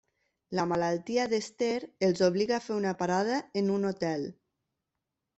La malaltia d'Ester els obliga a fer una parada en un hotel.